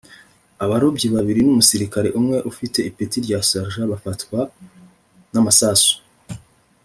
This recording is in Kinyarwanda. abarobyi babiri n’umusirikare umwe ufite ipeti rya sergent bafatwa n’amasasu